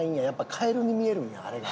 カエルに見えるんやあれが。